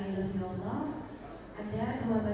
hitung mengikutnya mereka